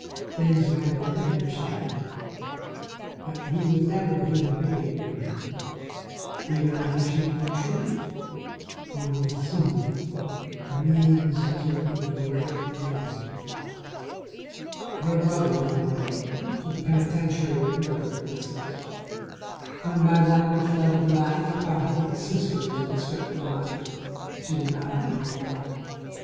Things might have been different if she had. But he was never a human being to her, even after she knew the truth; only a symbol, a means to the great end. Her brothers went away to the penitentiary and other places. One by one the flood of life caught her sisters and swept them out, she did not know to what.